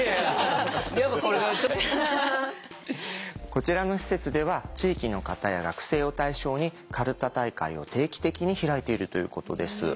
こちらの施設では地域の方や学生を対象にかるた大会を定期的に開いているということです。